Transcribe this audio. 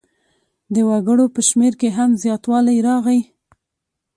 د وګړو په شمېر کې هم زیاتوالی راغی.